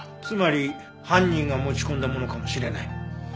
つまり犯人が持ち込んだものかもしれない。